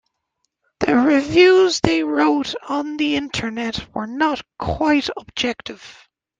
The reviews they wrote on the Internet were not quite objective.